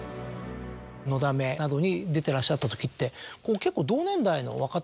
『のだめ』などに出てらっしゃった時って結構。